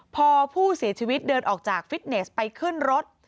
พอผู้เสียชีวิตเดินออกจากฟิตเนสไปขึ้นรถ